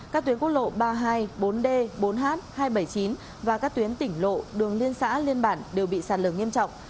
các tuyến quốc lộ ba mươi hai bốn d bốn h hai trăm bảy mươi chín và các tuyến tỉnh lộ đường liên xã liên bản đều bị sạt lở nghiêm trọng